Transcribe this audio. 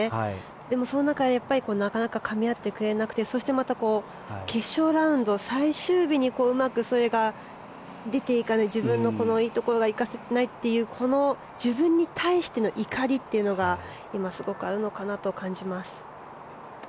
でも、その中でなかなかかみ合ってくれなくてそしてまた決勝ラウンド、最終日にうまくそれが出ていかない自分のいいところが生かせていないというこの自分に対しての怒りというのが今、すごくあるのかなと感じます。